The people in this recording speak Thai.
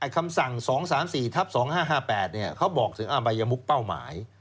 คำสั่ง๒๓๔ทับ๒๕๕๘เขาบอกถึงอบัยมุกเป้าหมาย